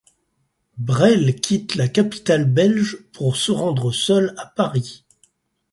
Brel quitte la capitale belge pour se rendre seul à Paris.